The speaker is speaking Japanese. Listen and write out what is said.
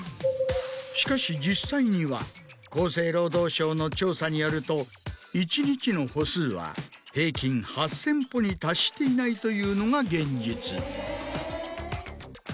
しかし実際には厚生労働省の調査によると一日の歩数は平均８０００歩に達していないというのが現実。